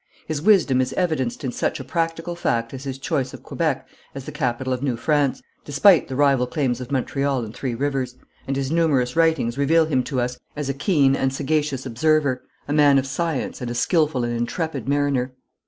His wisdom is evidenced in such a practical fact as his choice of Quebec as the capital of New France, despite the rival claims of Montreal and Three Rivers, and his numerous writings reveal him to us as a keen and sagacious observer, a man of science and a skilful and intrepid mariner.